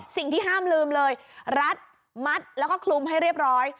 สิ่งที่ห้ามลืมเลยรัดมัดแล้วก็คลุมให้เรียบร้อย